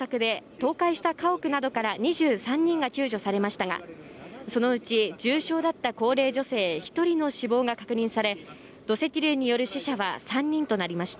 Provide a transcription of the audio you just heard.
熱海市よりますと昨日までの捜索で、倒壊した家屋などから２３人が救助されましたが、その内、重症だった高齢女性１人の死亡が確認され、土石流による死者は３人となりました。